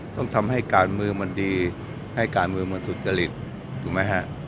ต้องทำให้การเมืองมันดีให้การเมืองมันสุจริตถูกไหมฮะ